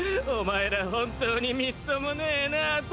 お前ら本当にみっともねえなぁ。